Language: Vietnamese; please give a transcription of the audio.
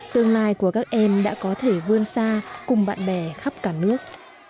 tương lai của các em đã có thể vươn xa cùng bạn bè khắp cả nước